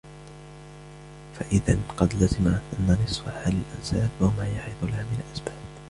فَإِذَنْ قَدْ لَزِمَ أَنْ نَصِفَ حَالَ الْأَنْسَابِ ، وَمَا يَعْرِضُ لَهَا مِنْ الْأَسْبَابِ